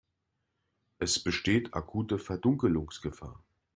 Es besteht akute Verdunkelungsgefahr.